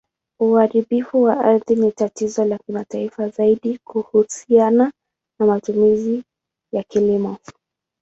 Uharibifu wa ardhi ni tatizo la kimataifa, zaidi kuhusiana na matumizi ya kilimo.